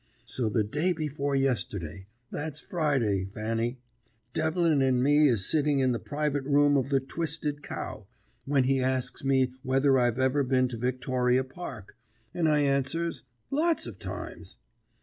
So the day before yesterday that's Friday, Fanny Devlin and me is sitting in the private room of the Twisted Cow, when he asks me whether I've ever been to Victoria Park, and I answers "Lots of times."